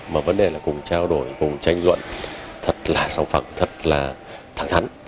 mà vấn đề là cùng trao đổi cùng tranh luận thật là song phẳng thật là thẳng thắn